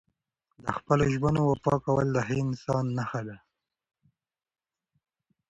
د خپلو ژمنو وفا کول د ښه انسان نښه ده.